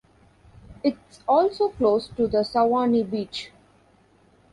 It's also close to the Souani Beach.